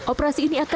operasi ini aturkan